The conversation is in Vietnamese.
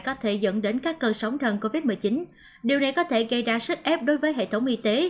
có thể dẫn đến các cơn sóng thần covid một mươi chín điều này có thể gây ra sức ép đối với hệ thống y tế